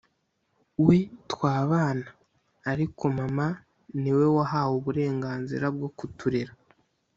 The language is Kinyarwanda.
we twabana Ariko mama ni we wahawe uburenganzira bwo kuturera